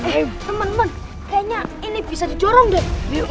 eh temen temen kayaknya ini bisa dijorong deh